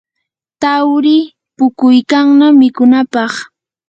tarwi puquykannam mikunapaq.